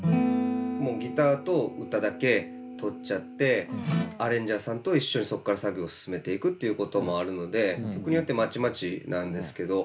もうギターと歌だけ録っちゃってアレンジャーさんと一緒にそっから作業を進めていくっていうこともあるので曲によってまちまちなんですけど。